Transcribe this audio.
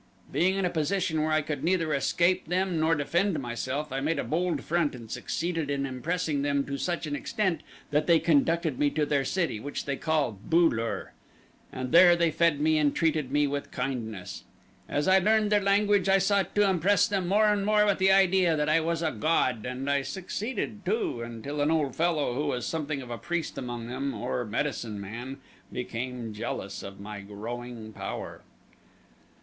Being in a position where I could neither escape them nor defend myself, I made a bold front and succeeded in impressing them to such an extent that they conducted me to their city, which they call Bu lur, and there they fed me and treated me with kindness. As I learned their language I sought to impress them more and more with the idea that I was a god, and I succeeded, too, until an old fellow who was something of a priest among them, or medicine man, became jealous of my growing power.